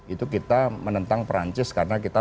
itu kita menentang perancis karena kita